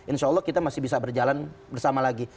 insya allah kita masih bisa berjalan bersama lagi